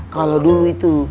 kalo dulu itu